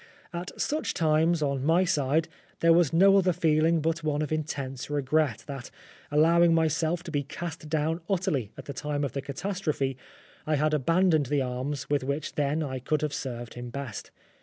At such times on my side there was no other feeling but one of intense regret that, allowing myself to be cast down utterly at the time of the catastrophe, I had abandoned the arms with which then I could have served him best.